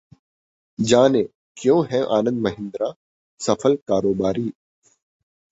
जानें क्यों हैं आनंद महिंद्रा सफल कारोबारी